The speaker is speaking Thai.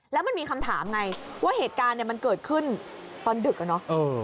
แล้วมันมีคำถามไงว่าเหตุการณ์เนี่ยมันเกิดขึ้นตอนดึกอะเนาะ